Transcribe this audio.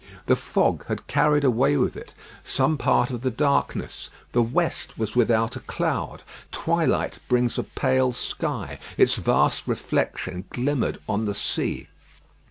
The fog had carried away with it some part of the darkness. The west was without a cloud. Twilight brings a pale sky. Its vast reflection glimmered on the sea.